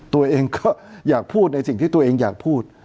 ตัวเองก็อยากพูดในสิ่งที่ตัวเองอยากพูด